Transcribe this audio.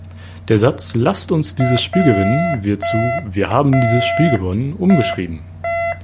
Der Satz „Lasst uns dieses Spiel gewinnen“ wird zu „Wir haben dieses Spiel gewonnen“ umgeschrieben.